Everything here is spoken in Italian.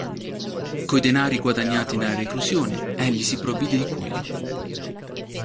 Coi denari guadagnati nella reclusione egli si provvide di cuoio.